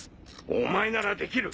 お前ならできる！